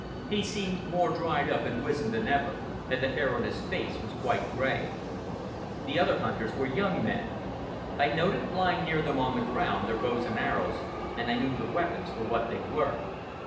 He seemed more dried up and wizened than ever, and the hair on his face was quite gray. The other hunters were young men. I noted, lying near them on the ground, their bows and arrows, and I knew the weapons for what they were.